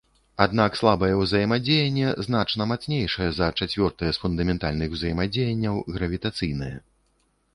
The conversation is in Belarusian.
Аднак слабае ўзаемадзеянне значна мацнейшае за чацвёртае з фундаментальных узаемадзеянняў, гравітацыйнае.